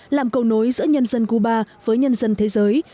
làm cầu nối giữa nhân dân cuba với nhân dân thế giới